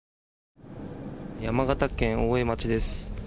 山形県大江町です。